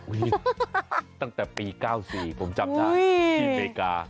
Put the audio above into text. อุ้ยตั้งแต่ปี๙๔ผมจับได้อีเบียกา